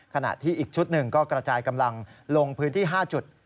ขณะที่อีกชุดหนึ่งก็กระจายกำลังลงพื้นที่๕จุด